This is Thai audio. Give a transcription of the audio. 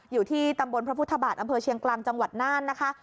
อยู่ที่ตำบลพระพุทธบาทอำเภอเชียงกลางจังหวัดน่านนะคะ